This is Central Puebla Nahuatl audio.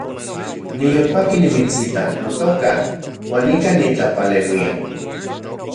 Niyolpaki nimitsita, notoka, uan nikan nitlapaleuia